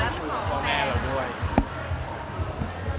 คุยกับพ่อแม่เราด้วย